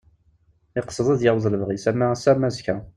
Iqsed ad yaweḍ lebɣi-s ama ass-a ama azekka.